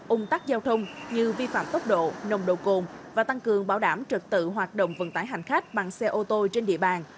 ung tắc giao thông như vi phạm tốc độ nồng độ cồn và tăng cường bảo đảm trực tự hoạt động vận tải hành khách bằng xe ô tô trên địa bàn